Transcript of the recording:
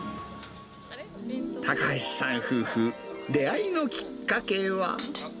高橋さん夫婦、出会いのきっかけは。